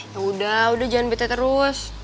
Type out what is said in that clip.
yaudah udah jangan bete terus